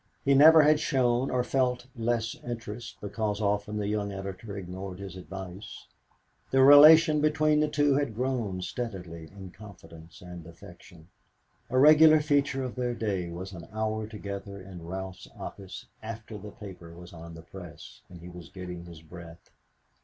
He never had shown or felt less interest because often the young editor ignored his advice. The relation between the two had grown steadily in confidence and affection. A regular feature of their day was an hour together in Ralph's office after the paper was on the press, and he was getting his breath.